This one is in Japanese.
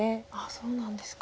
そうなんですか。